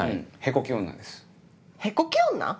屁こき女。